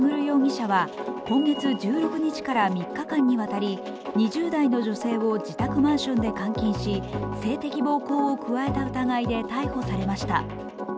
容疑者は今月１６日から３日間にわたり、２０代の女性を自宅マンションで監禁し、性的暴行を加えた疑いで逮捕されました。